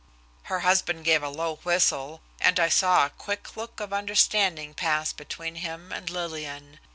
Her husband gave a low whistle, and I saw a quick look of understanding pass between him and Lillian.